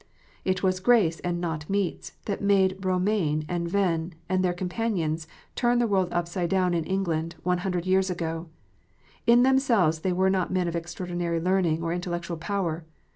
It was "grace, and not meats," that made Eomaine and Venn, and their companions, turn the world upside down in England, one hundred years ago. In themselves they were not men of extraordinary learning or intellectual power.